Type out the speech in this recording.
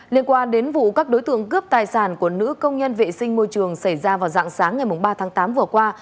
liên quan đến vụ các đối tượng cướp tài sản của nữ công nhân vệ sinh môi trường xảy ra vào dạng sáng ngày ba tháng tám vừa qua